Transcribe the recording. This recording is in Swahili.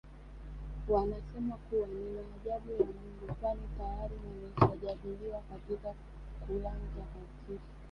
Wanasema kuwa ni maajabu ya Mungu kwani tayari lilishajadiliwa katika Quran Tukufu